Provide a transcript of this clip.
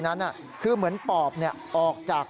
สายลูกไว้อย่าใส่